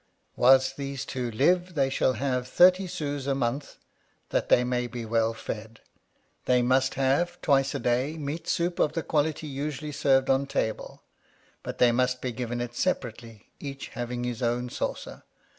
Whilst these two live, they shall have thirty sous a month, that they may be well fed. They must have, twice a day, meat soup of the quality usually served on table ; but they must be given it separately, each having his own saucer.